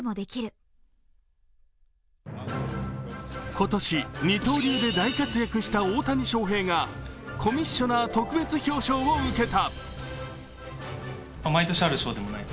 今年、二刀流で大活躍した大谷翔平がコミッショナー特別表彰を受けた。